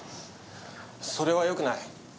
それはよくない。